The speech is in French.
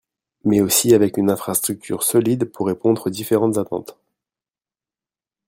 Mais aussi avec une infrastructure solide pour répondre aux différentes attentes.